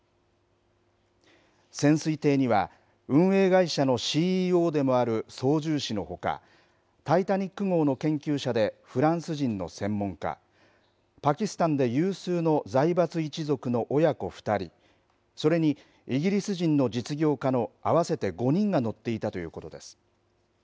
潜水艇には、運営会社のＣＥＯでもある操縦士のほか、タイタニック号の研究者でフランス人の専門家、パキスタンで有数の財閥一族の親子２人、それにイギリス人の実業家の合わせて５人が乗っていたということです。